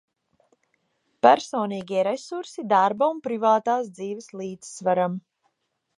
Personīgie resursi darba un privātās dzīves līdzsvaram.